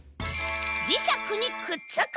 じしゃくにくっつく！